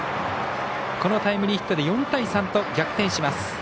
このタイムリーヒットで４対３と逆転します。